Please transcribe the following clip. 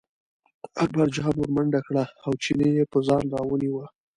اکبرجان ور منډه کړه او چینی یې په ځان راونیوه.